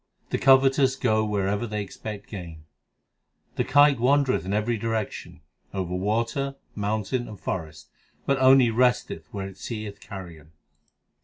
The covetous go wherever they expect gain : The kite wandereth in every direction over water, moun tain, and forest, But only resteth where it seeth carrion.